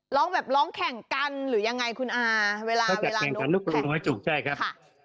หลอกแบบล้องแข่งกันหรือยังไงคุณอน่าเวลาเขาจะแข่งกันใช่ครับ